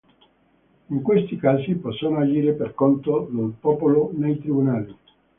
In questi casi, possono agire per conto del popolo nei tribunali.